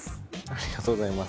ありがとうございます。